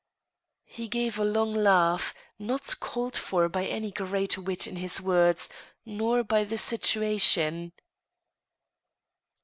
He gave a long laugh, not called for by any great wit in his isrcffds, nor fay the situation.